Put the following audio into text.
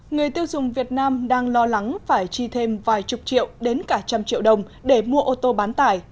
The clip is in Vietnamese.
người tiêu dùng việt nam đang lo lắng phải chi thêm vài chục triệu đến cả trăm triệu đồng để mua ô tô bán tải